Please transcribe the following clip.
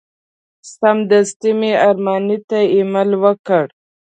سمدستي مې ارماني ته ایمیل ورکړ.